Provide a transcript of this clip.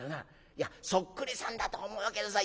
いやそっくりさんだと思うけどさ